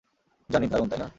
জানি, দারুণ, তাই না?